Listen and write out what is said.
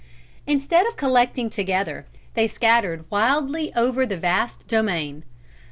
Instead of collecting together, they scattered wildly over the vast domain.